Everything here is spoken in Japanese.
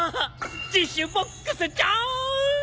自首ボックスちゃん！